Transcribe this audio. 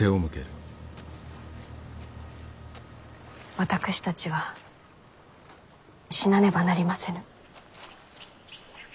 私たちは死なねばなりませぬ。